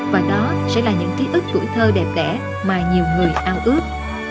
và đó sẽ là những ký ức tuổi thơ đẹp đẽ mà nhiều người ao ước